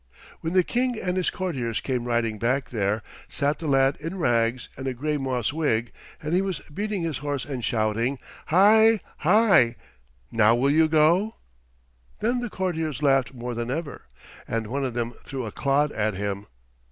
When the King and his courtiers came riding back there sat the lad in rags and a gray moss wig, and he was beating his horse and shouting, "Hie! Hie! Now will you go?" Then the courtiers laughed more than ever, and one of them threw a clod at him.